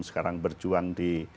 sekarang berjuang di